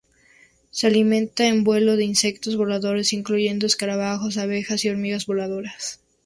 Se alimenta en vuelo de insectos voladores, incluyendo escarabajos, abejas, y hormigas voladoras.